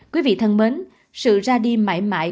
quý vị thân mến sự ra đi mãi mãi